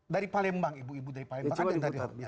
dari palembang ibu ibu dari palembang